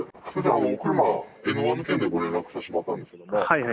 お車、ＮーＯＮＥの件でご連絡させてもらったんですけれども。